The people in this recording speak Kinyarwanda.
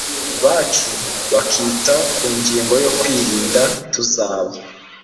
bacu bakita ku ngingo yo kwirinda, tuzaba